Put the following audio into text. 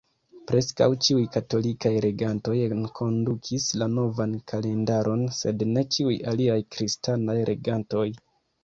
Preskaŭ ĉiuj katolikaj regantoj enkondukis la novan kalendaron, sed ne ĉiuj aliaj kristanaj regantoj.